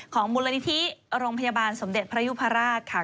ของบุรณิธิโรงพยาบาลสมเด็จพระยุพระราชค่ะ